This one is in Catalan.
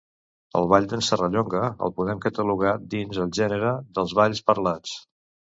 El Ball d'en Serrallonga el podem catalogar dins el gènere dels Balls parlats.